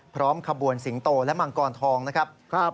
พร้อมขบวนสิงโตและมังกรทองนะครับ